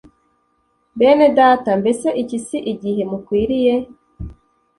Benedata, mbese iki si igihe mukwiriye